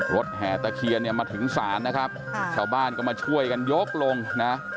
แห่ตะเคียนเนี่ยมาถึงศาลนะครับชาวบ้านก็มาช่วยกันยกลงนะ